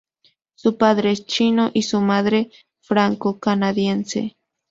Su padre es chino, y su madre francocanadiense.